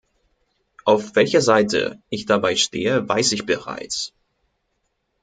Auf welcher Seite ich dabei stehe, weiß ich bereits.